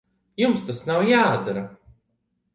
Jums tas nav jādara.